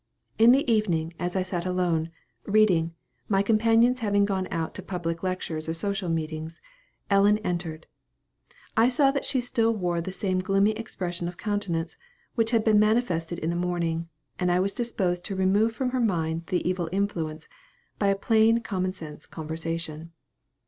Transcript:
In the evening, as I sat alone, reading, my companions having gone out to public lectures or social meetings, Ellen entered. I saw that she still wore the same gloomy expression of countenance, which had been manifested in the morning; and I was disposed to remove from her mind the evil influence, by a plain common sense conversation.